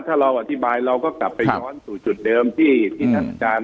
ถ้าเราอธิบายเราก็กลับไปย้อนสู่จุดเดิมที่ท่านอาจารย์